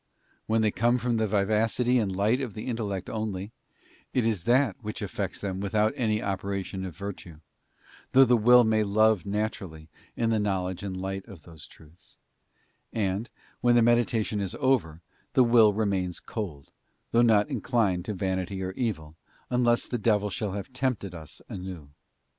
When they come from the vivacity and light of the intellect only, it is that which effects them without any operation of virtue—though the will may love naturally in the knowledge and light of those truths—and, when the meditation is over, the will remains cold, though not inclined to vanity or evil, unless the devil shall have tempted us anew.